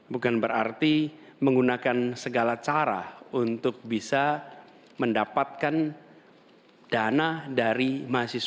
bukan berarti menggunakan segala cara untuk bisa mendapatkan dana dari mahasiswanya